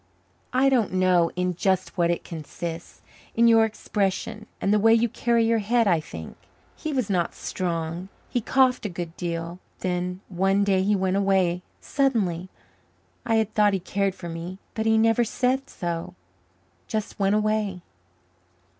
I don't know in just what it consists in your expression and the way you carry your head, I think. He was not strong he coughed a good deal. Then one day he went away suddenly. I had thought he cared for me, but he never said so just went away.